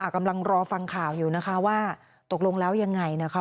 กำลังรอฟังข่าวอยู่นะคะว่าตกลงแล้วยังไงนะคะ